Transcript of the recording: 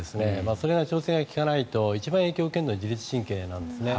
それが調整が利かないと一番影響を受けるのが自律神経なんですね。